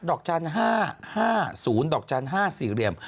ดอกจาน๕๕๐ดอกจาน๕สี่เหลี่ยม